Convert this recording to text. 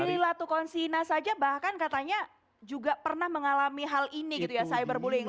prililatuh konsinas aja bahkan katanya juga pernah mengalami hal ini gitu ya cyberbullying